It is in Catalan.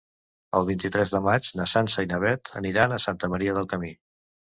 El vint-i-tres de maig na Sança i na Beth aniran a Santa Maria del Camí.